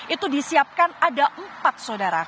itu disiapkan ada empat saudara